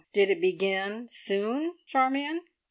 Did it begin soon Charmion?"